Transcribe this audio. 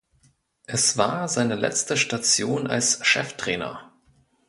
Es war seine letzte Station als Cheftrainer.